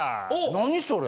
何それ？